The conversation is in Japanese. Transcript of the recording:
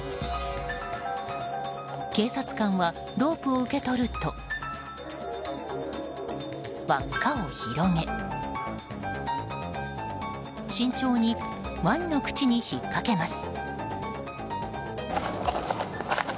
警察官はロープを受け取ると輪っかを広げ慎重にワニの口に引っかけます。